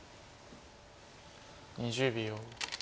２０秒。